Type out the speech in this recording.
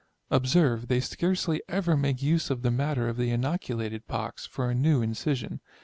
Observe, they scarcely ever make use of the matter of the inoculated pox, for a new incision.